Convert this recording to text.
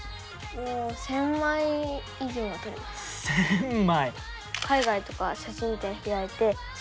１，０００枚。